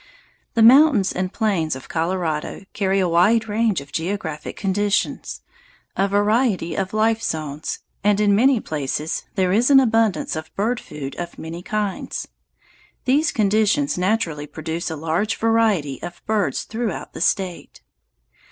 The mountains and plains of Colorado carry a wide range of geographic conditions, a variety of life zones, and in many places there is an abundance of bird food of many kinds. These conditions naturally produce a large variety of birds throughout the State.